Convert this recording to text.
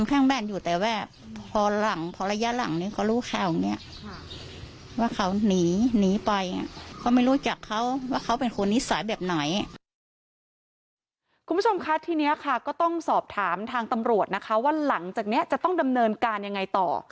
คุณผู้ชมคะทีนี้ค่ะก็ต้องสอบถามทางตำรวจนะคะว่าหลังจากนี้จะต้องดำเนินการยังไงต่อ